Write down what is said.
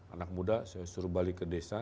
anak muda saya suruh balik ke desa